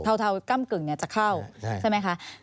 เทาเทากล้ามกึ่งจะเข้าใช่ไหมคะ